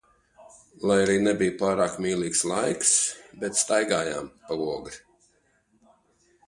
Lai arī nebija pārāk mīlīgs laiks, bet staigājām pa Ogri.